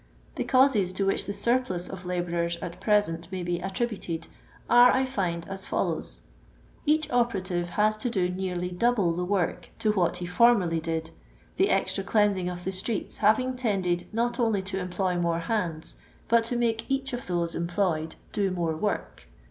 The causes to which the surplus of labourers at present may be attributed are, I find, as follows :— Each operative has to do nearly double the work to what he formerly did, the extra cleansing of the streets having tended not only to employ more hands, but to make each of those employed do more work.